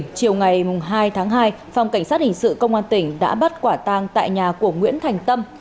chiều ngày hai tháng hai phòng cảnh sát hình sự công an tỉnh đã bắt quả tang tại nhà của nguyễn thành tâm